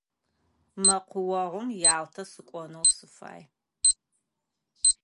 Мэкъуогъум Ялтэ сыкӏонэу сыфай.